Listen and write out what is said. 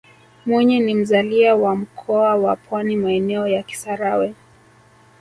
mwinyi ni mzalia wa mkoa wa pwani maeneo ya kisarawe